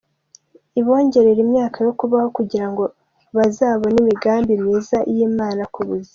ibongerere imyaka yo kubaho kugira ngo bazabone imigambi myiza y'Imana ku buzima.